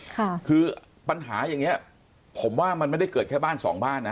ค่ะคือปัญหาอย่างเงี้ยผมว่ามันไม่ได้เกิดแค่บ้านสองบ้านนะ